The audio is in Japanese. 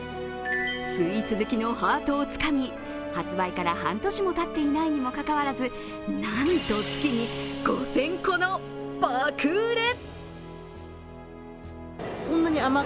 スイーツ好きのハートをつかみ発売から半年もたっていないにもかかわらず、なんと月に５０００個の爆売れ。